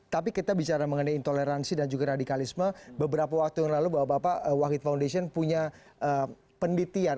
tapi kita bicara mengenai intoleransi dan juga radikalisme beberapa waktu yang lalu bahwa bapak wahid foundation punya penelitian